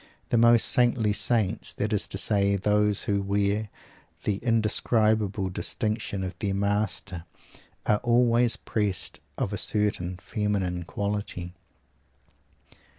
The most saintly saints, that is to say those who wear the indescribable distinction of their Master, are always possessed of a certain feminine quality.